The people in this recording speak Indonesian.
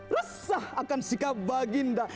resah akan sikap baginda